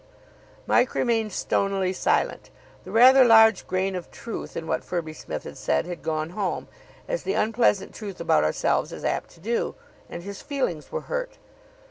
] Mike remained stonily silent. The rather large grain of truth in what Firby Smith had said had gone home, as the unpleasant truth about ourselves is apt to do; and his feelings were hurt.